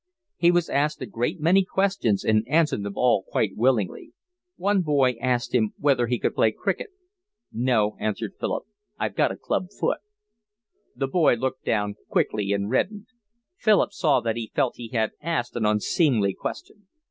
He was asked a great many questions and answered them all quite willingly. One boy asked him whether he could play cricket. "No," answered Philip. "I've got a club foot." The boy looked down quickly and reddened. Philip saw that he felt he had asked an unseemly question.